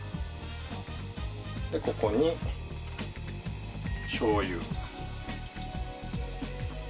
ここに、しょうゆ。